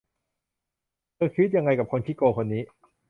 เธอคิดยังไงกับคนขี้โกงคนนี้